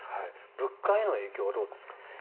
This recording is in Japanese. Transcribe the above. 物価への影響はどうですか。